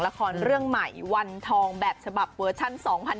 ละครเรื่องใหม่วันทองแบบฉบับเวอร์ชัน๒๐๑๖